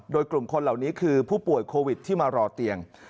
โดยกลุ่มคนเหล่านี้คือผู้ป่วยโควิดที่มารอเตียง